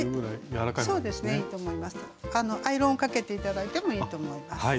アイロンをかけて頂いてもいいと思います。